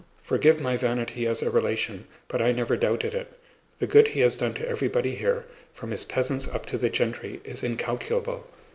Forgive my vanity as a relation, but I never doubted it. The good he has done to everybody here, from his peasants up to the gentry, is incalculable.